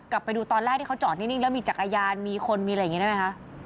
กลับไปดูตอนแรกที่เขาจอดนิ่งแล้วมีจักรยานมีคนมีอะไรอย่างนี้ได้ไหมคะ